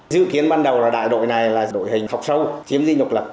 dự kiến ban đầu là đại đội này là đội hình học sâu chiếm di nhục lập